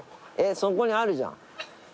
そこにあるじゃん。